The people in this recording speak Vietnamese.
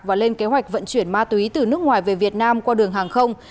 và lên kế hoạch vận chuyển ma túy từ nước ngoài về việt nam qua đường hàng không